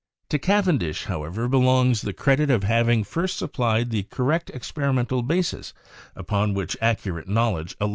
To Cavendish, however, belongs the credit of having first supplied the correct experimental basis upon which accurate knowledge Fig.